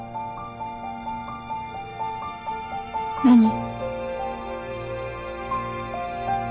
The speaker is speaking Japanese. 何？